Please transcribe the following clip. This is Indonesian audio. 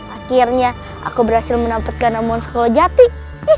akhirnya aku berhasil menampatkan namun sekolah jatik